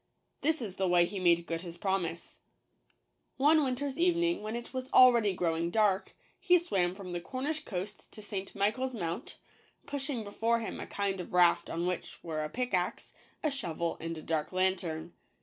This is the way he made good his promise :— One winter s evening, when it was already growing dark, he swam from the Cornish coast to St. Michael's Mount, pushing before him a kind of raft on which were a pickaxe, a shovel, and a dark lantern.